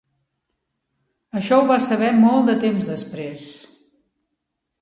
Això ho vaig saber molt de temps després.